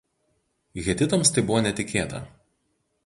Hetitams tai buvo netikėta.